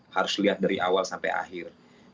harus lihat dari awal sampai akhir